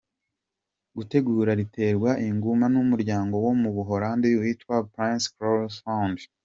gutegura riterwa ingunga numuryango wo mu Buholandi witwa Prince Claus Fund.